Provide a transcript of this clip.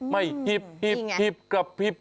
ไม่กระพริบ